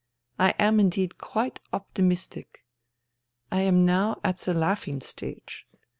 I am indeed quite optimistic. I am now at the laughing stage.